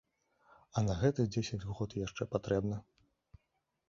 А на гэта дзесяць год яшчэ патрэбна.